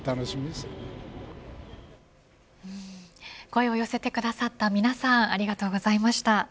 声を寄せてくださった皆さんありがとうございました。